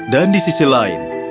dan di sisi lain